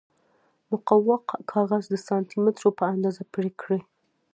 مقوا کاغذ د سانتي مترو په اندازه پرې کړئ.